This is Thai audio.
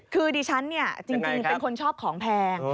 คือดิฉันเนี่ยจริงเป็นคนชอบของแพง